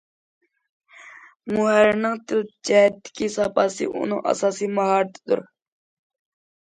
مۇھەررىرنىڭ تىل جەھەتتىكى ساپاسى ئۇنىڭ ئاساسىي ماھارىتىدۇر.